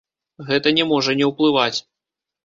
Гэта не можа не ўплываць.